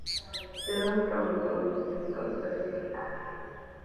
Se da únicamente en semiconductores y aislantes.